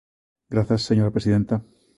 Grazas, señora presidenta.